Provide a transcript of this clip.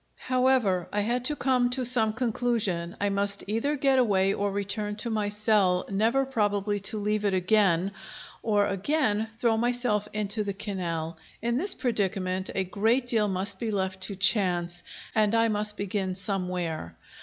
However, I had to come to some conclusion: I must either get away or return to my cell, never probably to leave it again; or again, throw myself into the canal. In this predicament a great deal must be left to chance, and I must begin somewhere.